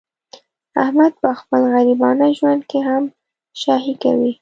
احمد په خپل غریبانه ژوند کې هم شاهي کوي.